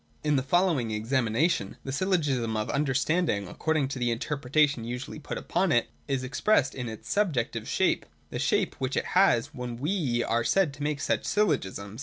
In the following examination, the Syllogism of Under standing, according to the interpretation usually put upon it, is expressed in its subjective shape ; the shape which it has when we are said to make such Syllogisms.